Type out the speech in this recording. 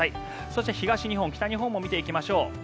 そして、東日本、北日本も見ていきましょう。